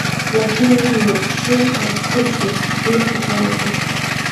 لاسونه یې ونیول شول او ښکل شول چې ډېره خوشحاله شوه.